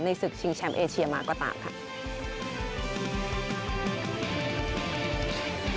ในศึกชิงเชอมเอเชียมาก็ตาม